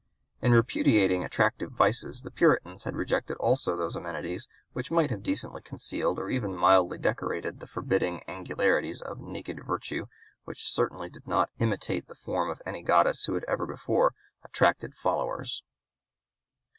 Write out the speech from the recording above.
In repudiating attractive vices the Puritans had rejected also those amenities which might have decently concealed or even mildly decorated the forbidding angularities of a naked Virtue which certainly did not imitate the form of any goddess who had ever before attracted followers.